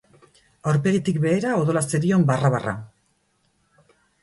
Aurpegitik behera odola zerion barra-barra.